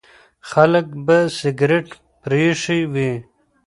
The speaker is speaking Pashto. خلک به سګریټ پرېښی وي.